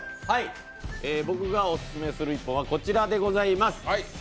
僕がオススメする一本はこちらでございます。